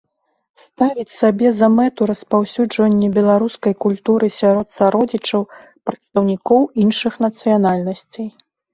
Ставіць сабе за мэту распаўсюджанне беларускай культуры сярод сародзічаў, прадстаўнікоў іншых нацыянальнасцей.